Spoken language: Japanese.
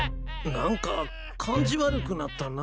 何か感じ悪くなったな。